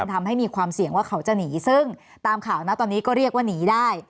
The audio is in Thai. ทำให้มีความเสี่ยงว่าเขาจะหนีซึ่งตามข่าวนะตอนนี้ก็เรียกว่าหนีได้